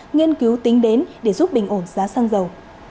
nghiên cứu tính đến để giúp bình ổn giá xăng dầu